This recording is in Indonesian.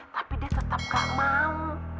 tapi dia tetap gak mau